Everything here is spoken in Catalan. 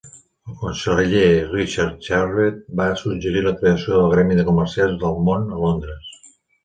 El conseller Richard Charvet va suggerir la creació del gremi de Comerciants del Món a Londres.